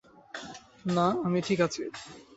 না, আমি ঠিক আছি।